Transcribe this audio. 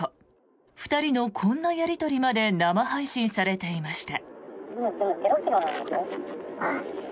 ２人のこんなやり取りまで生配信されていました。